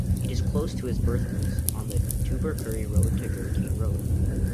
It is close to his birthplace, on the Tubbercurry to Gurteen road.